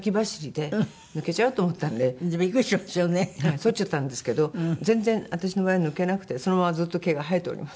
そっちゃったんですけど全然私の場合は抜けなくてそのままずっと毛が生えております。